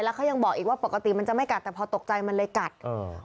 เขายังบอกอีกว่าปกติมันจะไม่กัดแต่พอตกใจมันเลยกัดเออ